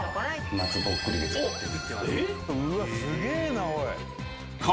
松ぼっくりで作ってます。